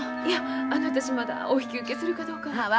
いやあの私まだお引き受けするかどうかは。